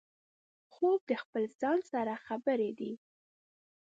خوب د خپل ځان سره خبرې دي